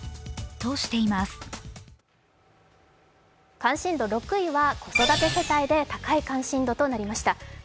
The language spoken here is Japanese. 関心度６位は子育て世代で高い関心度となりました。